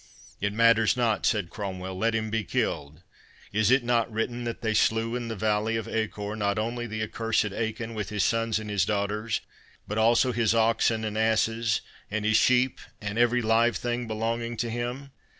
"It matters not," said Cromwell; "let him be killed. Is it not written, that they slew in the valley of Achor, not only the accursed Achan, with his sons and his daughters, but also his oxen and asses, and his sheep, and every live thing belonging unto him?